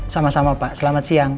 sama sama pak selamat siang